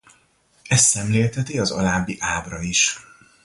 Ezt szemlélteti az alábbi ábra is.